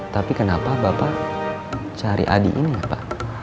tapi kenapa bapak cari adi ini ya pak